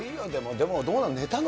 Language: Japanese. でもどうなの？